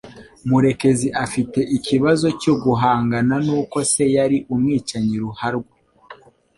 Murekezi afite ikibazo cyo guhangana n'uko se yari umwicanyi ruharwa.